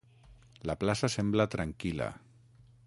La plaça sembla tranquil·la.